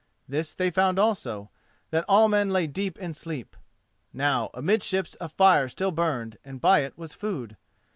This they found also, that all men lay deep in sleep. Now, amidships a fire still burned, and by it was food.